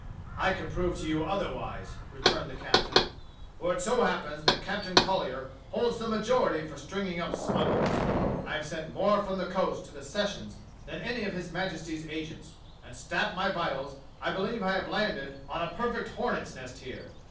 "I can prove to you otherwise," returned the captain, "for it so happens that Captain Colly er holds the ma jority for stringing up smugglers. I have sent more from the coast to the sessions than any of his Majesty's agents. And stap my vitals, I believe I have landed on a 30 DOCTOR SYN perfect hornets' nest here.